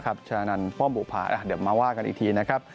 ครับฉะนั้นพ่อบุภาเดี๋ยวมาว่ากันอีกทีนะครับ